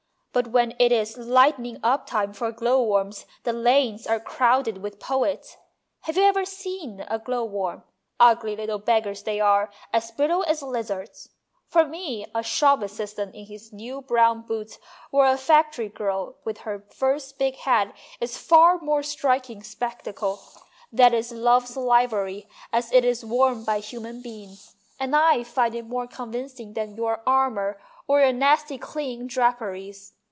But when it is lighting up time for glow worms the lanes are crowded with poets. Have you ever seen a glow worm? Ugly little beggars they are, as brittle as lizards. For me a shop assistant in his new brown boots or a factory girl with her first big hat is a far more striking spectacle ; that is love's livery as it is worn by human beings, and I find it more convincing than your armour or your nasty clinging draperies.